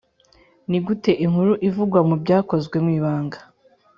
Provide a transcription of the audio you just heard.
Ni gute inkuru ivugwa mu Byakozwe mwibanga